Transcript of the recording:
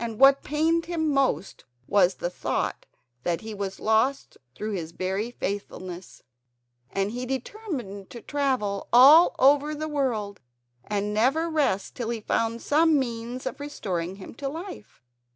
And what pained him most was the thought that he was lost through his very faithfulness, and he determined to travel all over the world and never rest till he found some means of restoring him to life.